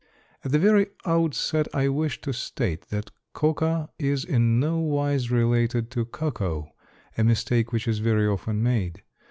_ At the very outset I wish to state that coca is in no wise related to cocoa, a mistake which is very often made.